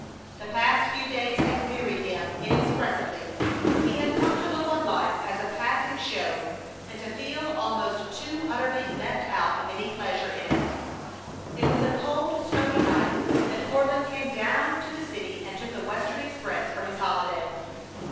The past few days had wearied him inexpressibly. He had come to look on life as a passing show, and to feel almost too utterly left out of any pleasure in it. It was a cold, snowy night that Courtland came down to the city and took the Western express for his holiday.